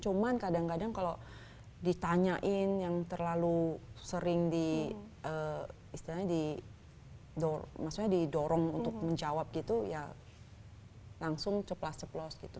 cuman kadang kadang kalau ditanyain yang terlalu sering di istilahnya didorong untuk menjawab gitu ya langsung ceplas ceplos gitu